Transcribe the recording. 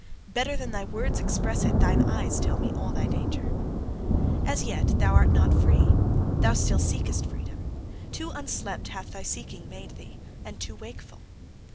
Better than thy words express it, thine eyes tell me all thy danger. As yet thou art not free; thou still SEEKEST freedom. Too unslept hath thy seeking made thee, and too wakeful.